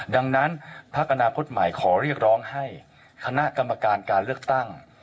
ดังนั้นพักอนาคตใหม่ขอเรียกร้องให้คณะกรรมการการเลือกตั้ง